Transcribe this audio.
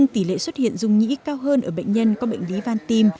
tỷ lệ xuất hiện dung nhĩ cao hơn ở bệnh nhân có bệnh lý van tim